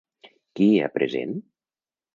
Qui hi ha present?